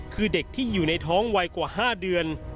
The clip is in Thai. คือเด็กที่อยู่ในท้องวัยกว่า๕เดือน